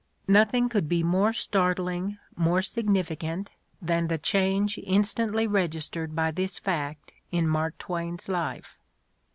^ Nothing could be more startling, more significant, than the change instantly registered by this fact in Mark Twain's life.